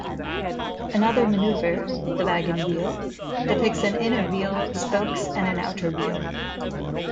Another manoeuvre, the Wagon Wheel, depicts an inner wheel, spokes, and an outer wheel.